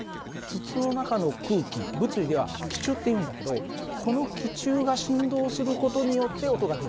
筒の中の空気物理では気柱っていうんだけどこの気柱が振動する事によって音が出るんだね。